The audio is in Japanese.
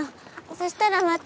そしたらまた。